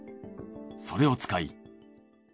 それを使い。